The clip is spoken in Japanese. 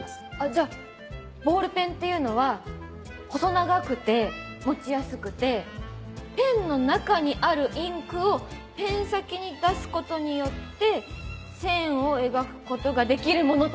じゃあボールペンっていうのは細長くて持ちやすくてペンの中にあるインクをペン先に出すことによって線を描くことができるものとか。